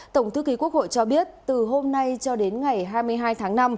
tổng thư ký quốc hội cho biết từ hôm nay cho đến ngày hai mươi hai tháng năm